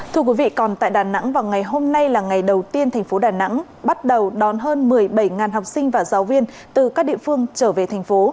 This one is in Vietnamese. thưa quý vị còn tại đà nẵng vào ngày hôm nay là ngày đầu tiên thành phố đà nẵng bắt đầu đón hơn một mươi bảy học sinh và giáo viên từ các địa phương trở về thành phố